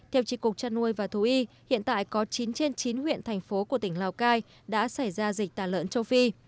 theo trị cục chăn nuôi và thú y hiện tại có chín trên chín huyện thành phố của tỉnh lào cai đã xảy ra dịch tả lợn châu phi